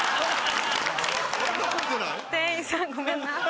店員さんごめんな。